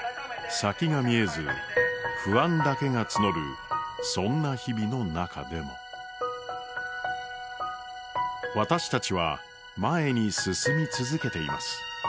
先が見えず不安がたち込めるそんな日々の中でも私たちは前に進み続けています。